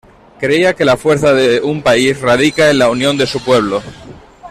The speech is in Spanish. Creía que la fuerza de un país radica en la unión de su pueblo.